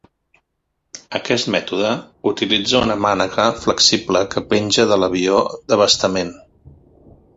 Aquest mètode utilitza una mànega flexible que penja de l'avió d'abastament.